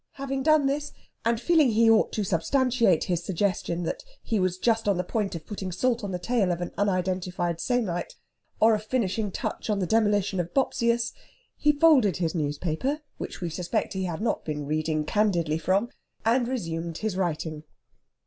Having done this, and feeling he ought to substantiate his suggestion that he was just on the point of putting salt on the tail of an unidentified Samnite, or a finishing touch on the demolition of Bopsius, he folded his newspaper, which we suspect he had not been reading candidly from, and resumed his writing.